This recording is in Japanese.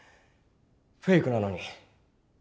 フェークなのに。